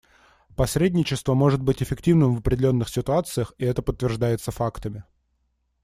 Посредничество может быть эффективным в определенных ситуациях, и это подтверждается фактами.